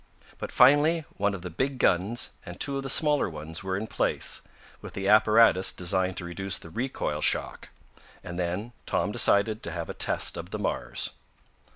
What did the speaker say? But finally one of the big guns, and two of the smaller ones were in place, with the apparatus designed to reduce the recoil shock, and then Tom decided to have a test of the Mars.